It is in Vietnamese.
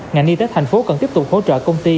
ngành y tế thành phố cần tiếp tục hỗ trợ công ty